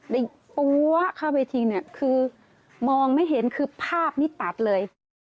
ได้ปั๊วเข้าไปทิ้งเนี่ยคือมองไม่เห็นคือภาพนี้ตัดเลย